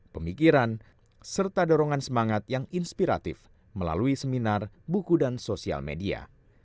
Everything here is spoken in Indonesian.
pemikiran serta dorongan semangat yang inspiratif melalui seminar buku dan sosial media